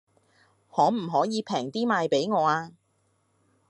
可唔可以平啲賣俾我呀